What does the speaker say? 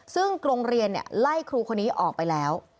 ซึ่งโรงเรียนไล่ครูคนนี้ออกไปแล้ว